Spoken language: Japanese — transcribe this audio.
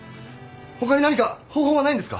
ほかに何か方法はないんですか？